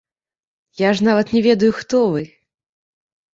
Я ж нават не ведаю, хто вы.